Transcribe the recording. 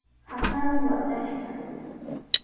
Hakaami watrashqa.